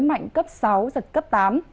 mạnh cấp sáu và cấp tám